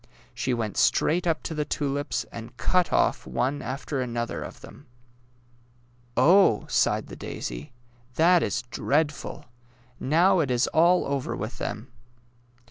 She went straight up to the tulips and cut off one after another of them. ^^ Oh! " sighed the daisy, '^ that is dreadful! Now it is all over with them!